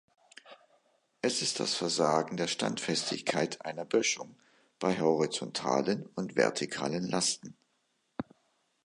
Es ist das Versagen der Standfestigkeit einer Böschung bei horizontalen und vertikalen Lasten.